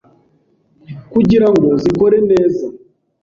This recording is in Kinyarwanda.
kugira ngo zikore neza